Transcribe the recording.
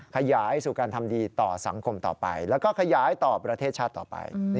ขยายสู่การทำดีต่อสังคมต่อไปแล้วก็ขยายต่อประเทศชาติต่อไป